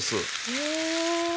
へえ。